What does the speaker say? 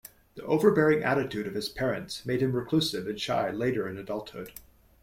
The overbearing attitude of his parents made him reclusive and shy later in adulthood.